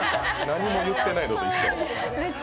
何も言ってないのに。